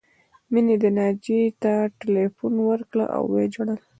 مینې ناجیې ته ټیلیفون وکړ او وژړل